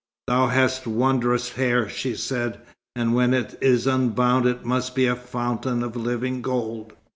"Thou hast wondrous hair," she said, "and when it is unbound it must be a fountain of living gold.